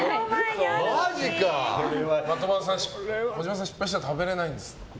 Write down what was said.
的場さん、失敗したら食べれないんですって。